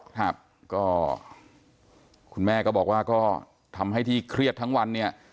ครับก็คุณแม่ก็บอกว่าก็ทำให้ที่เครียดทั้งวันเนี่ย